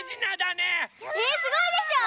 ねえすごいでしょう！